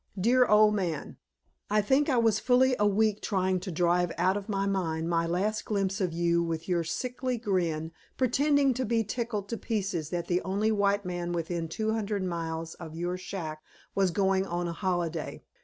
Dear Old Man: I think I was fully a week trying to drive out of my mind my last glimpse of you with your sickly grin, pretending to be tickled to pieces that the only white man within two hundred miles of your shack was going on a holiday.